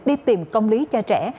đi tìm công lý cho trẻ